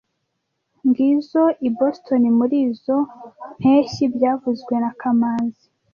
Ngizoe i Boston murizoi mpeshyi byavuzwe na kamanzi